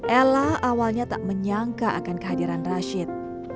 ella awalnya tak menyangka akan kehadiran rashid